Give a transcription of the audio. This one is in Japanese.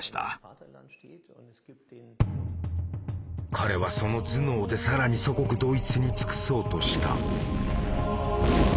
彼はその頭脳で更に祖国ドイツに尽くそうとした。